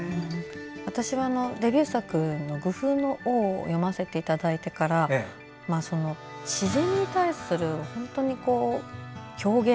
私はデビュー作の「颶風の王」を読ませていただいてから自然に対する表現